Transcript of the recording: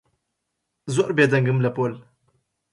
زۆر بێدەنگم لە پۆل.